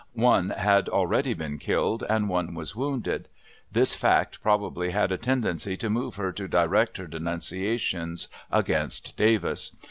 One had already been killed and one was wounded. This fact probably had a tendency to move her to direct her denunciations against Davis.